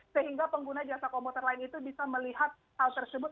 sehingga pengguna jasa komuter lain itu bisa melihat hal tersebut